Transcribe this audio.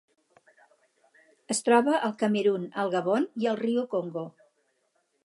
Es troba al Camerun, al Gabon i al riu Congo.